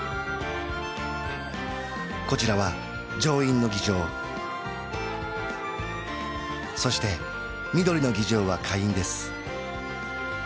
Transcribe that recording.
こちらは上院の議場そして緑の議場は下院です